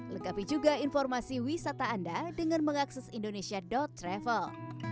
lengkapi juga informasi wisata anda dengan mengakses indonesia travel